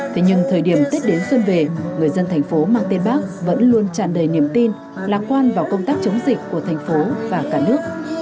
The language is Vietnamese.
thế nhưng thời điểm tết đến xuân về người dân tp hcm mang tên bác vẫn luôn tràn đầy niềm tin lạc quan vào công tác chống dịch của tp hcm và cả nước